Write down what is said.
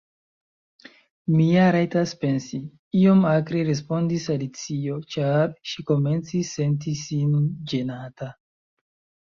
"Mi ja rajtas pensi," iom akre respondis Alicio, ĉar ŝi komencis senti sin ĝenata.